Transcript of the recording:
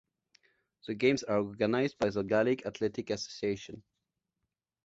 The games are organised by the Gaelic Athletic Association.